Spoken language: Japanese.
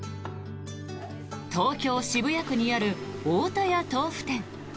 東京・渋谷区にある太田屋豆腐店。